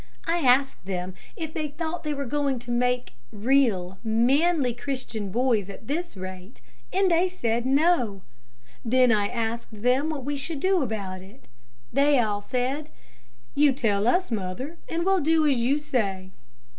I asked them if they thought they were going to make real, manly Christian boys at this rate, and they said no. Then I asked them what we should do about it. They all said, 'You tell us mother, and we'll do as you say.'